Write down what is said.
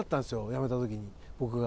辞めた時に僕が。